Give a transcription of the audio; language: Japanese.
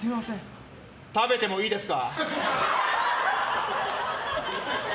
食べてもいいですか？